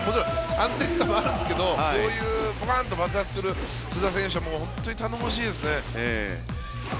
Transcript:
安定感もあるんですけどこういうバーンと爆発する須田選手は本当に頼もしいですね。